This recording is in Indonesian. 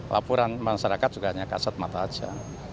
laporan masyarakat juga hanya kasat mata saja